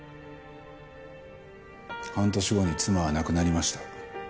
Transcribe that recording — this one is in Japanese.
半年後に妻は亡くなりました。